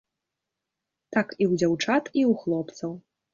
Так і ў дзяўчат, і ў хлопцаў.